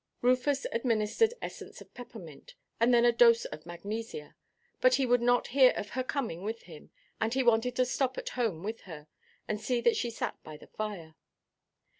Rufus administered essence of peppermint, and then a dose of magnesia; but he would not hear of her coming with him, and he wanted to stop at home with her, and see that she sat by the fire.